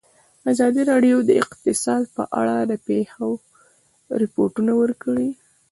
ازادي راډیو د اقتصاد په اړه د پېښو رپوټونه ورکړي.